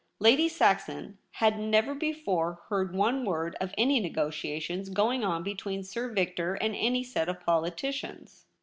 Lady Saxon had never before heard one word of any negotia tions going on between Sir Victor and any set of politicians.